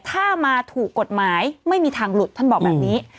ถ้ามาถูกกฎหมายไม่มีทางหลุดท่านบอกแบบนี้